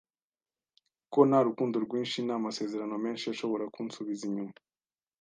ko nta rukundo rwinshi, nta masezerano menshi ashobora kunsubiza inyuma